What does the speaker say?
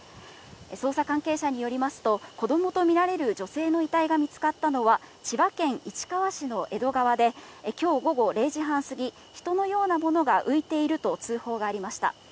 捜査関係者によりますと、子どもと見られる女性の遺体が見つかったのは、千葉県市川市の江戸川で、きょう午後０時半過ぎ、人のようなものが浮いていると通報がありました。